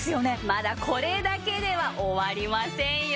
まだこれだけでは終わりませんよ。